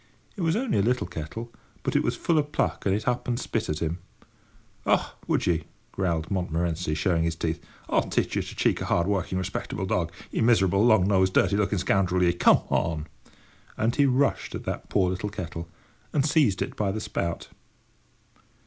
It was only a little kettle, but it was full of pluck, and it up and spit at him. [Picture: Montmorency and the kettle] "Ah! would ye!" growled Montmorency, showing his teeth; "I'll teach ye to cheek a hard working, respectable dog; ye miserable, long nosed, dirty looking scoundrel, ye. Come on!" And he rushed at that poor little kettle, and seized it by the spout.